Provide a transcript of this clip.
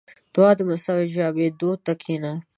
• د دعا مستجابېدو ته کښېنه.